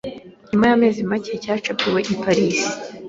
Nyuma y’amezi make cyacapiwe i Paris